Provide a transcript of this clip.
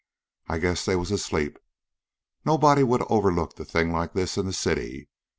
I guess they was asleep. Nobody'd a overlooked a thing like it in the city.